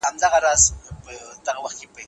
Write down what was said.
کېدای شي زه منډه ووهم.